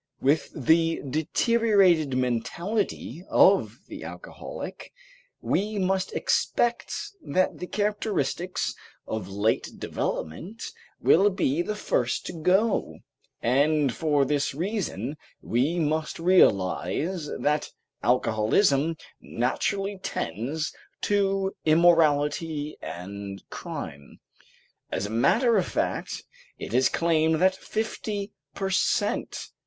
With the deteriorated mentality of the alcoholic, we must expect that the characteristics of late development will be the first to go, and for this reason we must realize that alcoholism naturally tends to immorality and crime. As a matter of fact, it is claimed that fifty per cent.